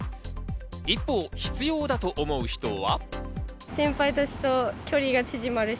一方、必要だと思う人は。